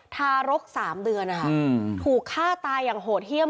ทารก๓เดือนนะคะถูกฆ่าตายอย่างโหดเยี่ยม